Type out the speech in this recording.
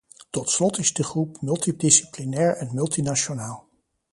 Tot slot is de groep multidisciplinair en multinationaal.